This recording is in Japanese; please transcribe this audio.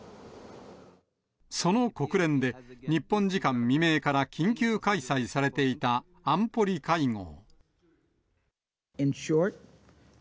その国連で、日本時間未明から緊急開催されていた、安保理会合。